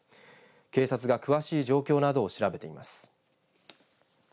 警察が詳しい状況などを調べています。